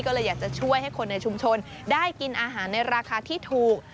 ก็เลยอยากจะช่วยให้คนในชุมชนได้กินอาหารในราคาที่ถูก